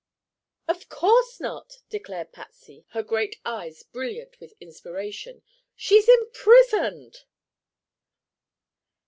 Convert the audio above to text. "Of course not," declared Patsy, her great eyes brilliant with inspiration. "_She's imprisoned!